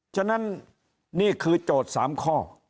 ฉะนั้นนี่คือโจทย์๓ข้อ